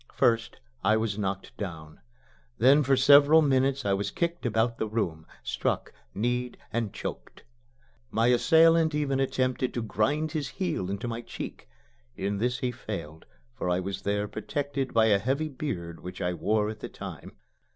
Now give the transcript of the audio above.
First I was knocked down. Then for several minutes I was kicked about the room struck, kneed and choked. My assailant even attempted to grind his heel into my cheek. In this he failed, for I was there protected by a heavy beard which I wore at that time.